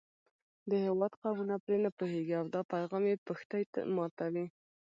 د هېواد قومونه پرې نه پوهېږي او دا پیغام یې پښتۍ ماتوي.